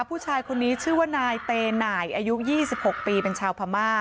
ผู้ชายคนนี้ชื่อว่านายเตหน่ายอายุ๒๖ปีเป็นชาวพม่า